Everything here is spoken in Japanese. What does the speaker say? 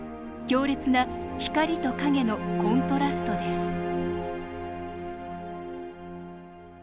強烈な光と陰のコントラストです。